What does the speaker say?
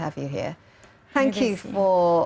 terima kasih telah menunjukkan kami